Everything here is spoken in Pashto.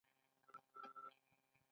آیا دوی ډاکټرانو ته ډیر معاش نه ورکوي؟